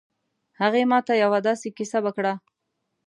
هغې ما ته یو ه داسې کیسه وکړه